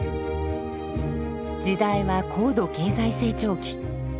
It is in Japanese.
時代は高度経済成長期。